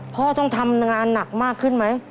ต้องทำงานหนักมากขึ้นไหม